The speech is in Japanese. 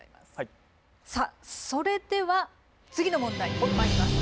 さあそれでは次の問題まいります。